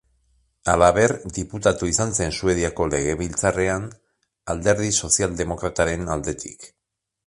Halaber, diputatu izan zen Suediako legebiltzarrean Alderdi Sozialdemokrataren aldetik.